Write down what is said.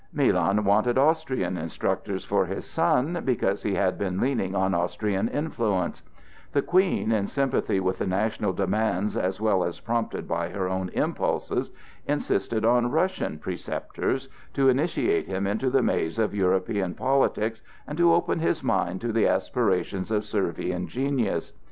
Milan wanted Austrian instructors for his son, because he had been leaning on Austrian influence; the Queen, in sympathy with the national demands as well as prompted by her own impulses, insisted on Russian preceptors, to initiate him into the maze of European politics and to open his mind to the aspirations of Servian genius.